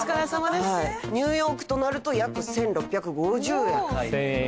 ニューヨークとなると約１，６５０円。